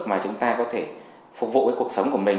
mà chúng ta có thể phục vụ cuộc sống của mình